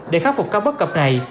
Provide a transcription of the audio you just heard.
để khắc phục các bất cập này